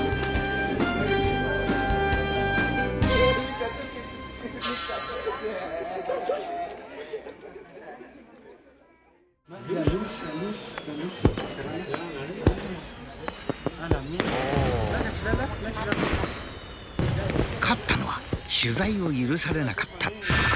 勝ったのは取材を許されなかったタシュ。